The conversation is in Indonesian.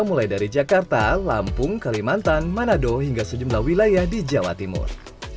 mulai dari jakarta lampung kalimantan manado hingga sejumlah wilayah di jawa timur